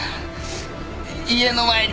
家の前に。